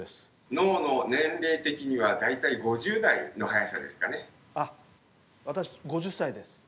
脳の年齢的には大体５０代の速さですかね。